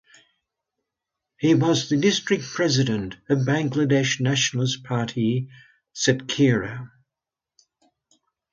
He was the district president of Bangladesh Nationalist Party Satkhira.